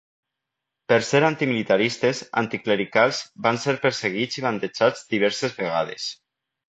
Per ser antimilitaristes, anticlericals van ser perseguits i bandejats diverses vegades.